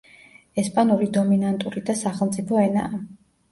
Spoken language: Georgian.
ესპანური დომინანტური და სახელმწიფო ენაა.